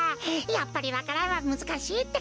やっぱりわか蘭はむずかしいってか。